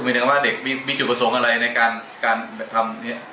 ไม่นะว่าเด็กมีจุดประสงค์อะไรในการการทำ